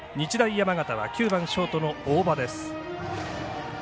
山形は９番ショートの大場です。